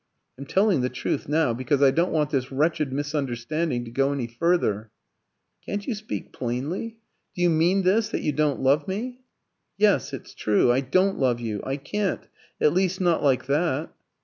"I'm telling the truth now, because I don't want this wretched misunderstanding to go any further." "Can't you speak plainly? Do you mean this, that you don't love me?" "Yes. It's true. I don't love you; I can't at least, not like that."